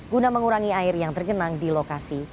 guna mengurangi air yang tergenang di lokasi